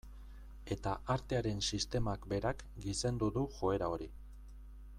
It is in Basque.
Eta artearen sistemak berak gizendu du joera hori.